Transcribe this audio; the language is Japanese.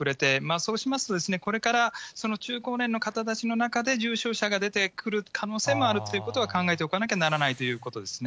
そうしますとですね、これから中高年の方たちの中で重症者が出てくる可能性もあるということは、考えておかなきゃならないということね。